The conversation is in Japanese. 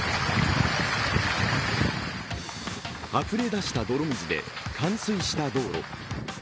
あふれ出した泥水で冠水した道路。